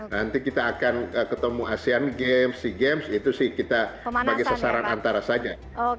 nanti kita akan ketemu asean games sea games itu sih kita bagi sasaran antara saja